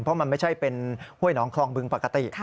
เพราะมันไม่ใช่เป็นห้วยหนองคลองบึงปกติ